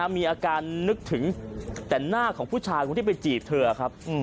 มีอาการนึกถึงแต่หน้าของผู้ชายคนที่ไปจีบเธอครับ